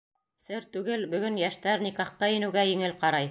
Сер түгел, бөгөн йәштәр никахҡа инеүгә еңел ҡарай.